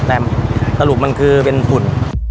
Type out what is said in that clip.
แต่สรุปมันคือเป็นผล